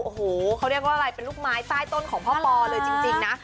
โอ้โหเขาเรียกว่าอะไรเป็นลูกไม้ใต้ต้นของพ่อปอเลยจริงนะ